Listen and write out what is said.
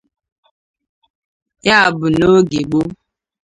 Ya bụ na n'oge gboo